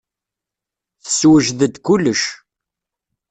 Tessewjed-d kullec.